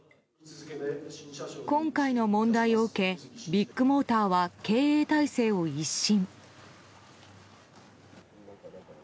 今回の問題を受けビッグモーターは経営体制を一新。